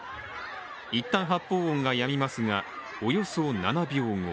一旦、発砲音がやみますがおよそ７秒後